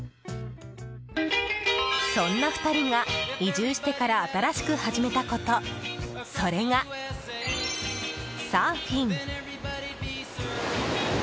そんな２人が移住してから新しく始めたことそれが、サーフィン！